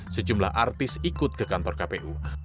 sejumlah artis ikut ke kantor kpu